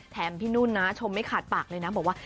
พี่นุ่นนะชมไม่ขาดปากเลยนะบอกว่า